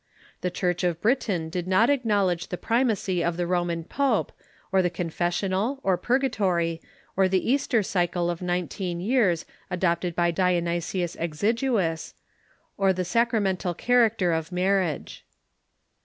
The Church of Brit 148 THE MEDIAEVAL CHURCH a'ln did not acknowledge the primacy of the Roman pope, or the confessional, or purgatory, or the Easter Cycle of nineteen years adojDted by Dionysius Exiguus, or the sacramental char acter of marriage.